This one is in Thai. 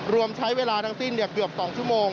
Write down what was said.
รวมใช้เวลาทั้งสิ้นเกือบ๒ชั่วโมง